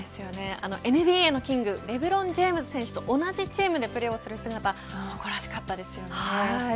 ＮＢＡのキングレブロン・ジェームズ選手と同じチームでプレーをする姿誇らしかったですね。